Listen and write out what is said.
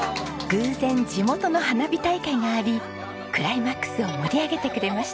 偶然地元の花火大会がありクライマックスを盛り上げてくれました。